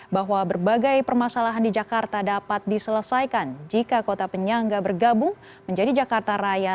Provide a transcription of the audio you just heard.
bahwa berbagai permasalahan di jakarta dapat diselesaikan jika kota penyangga bergabung menjadi jakarta raya